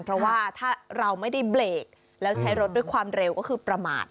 เพราะว่าถ้าเราไม่ได้เบรกแล้วใช้รถด้วยความเร็วก็คือประมาท